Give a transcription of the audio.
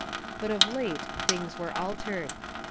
But of late things were altered.